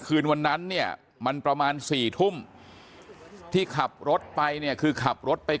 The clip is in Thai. คืนวันนั้นเนี่ยมันประมาณ๔ทุ่มที่ขับรถไปเนี่ยคือขับรถไป